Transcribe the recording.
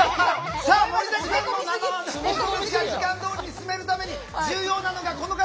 さあ盛りだくさんの生放送ですが時間どおりに進めるために重要なのがこの方。